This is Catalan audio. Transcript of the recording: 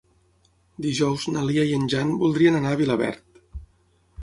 Dijous na Lia i en Jan voldrien anar a Vilaverd.